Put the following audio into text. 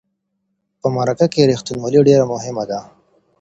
په مرکه کې رښتینولي ډیره مهمه ده.